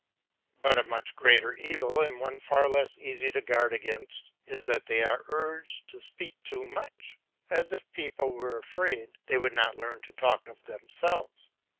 But a much greater evil, and one far less easy to guard against, is that they are urged to speak too much, as if people were afraid they would not learn to talk of themselves.